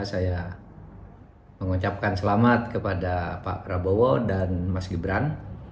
saya mengucapkan selamat kepada pak prabowo dan mas gibran